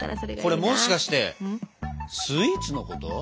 これもしかしてスイーツのこと？